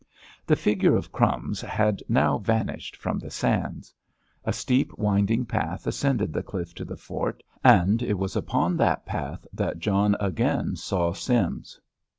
The figure of "Crumbs" had now vanished from the sands. A steep, winding path ascended the cliff to the fort, and it was upon that path that John again saw Sims.